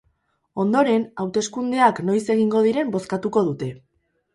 Ondoren, hauteskundeak noiz egingo diren bozkatu dute.